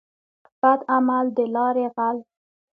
بد عمل دلاري غل.